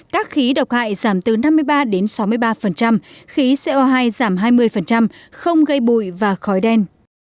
các khí độc hại giảm từ năm mươi ba đến sáu mươi ba khí co hai giảm hai mươi không gây bụi và khói đen